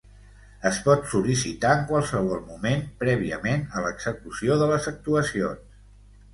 Es pot sol·licitar en qualsevol moment, prèviament a l'execució de les actuacions.